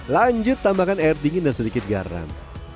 lanjut tambahkan air dingin dan sedikit garam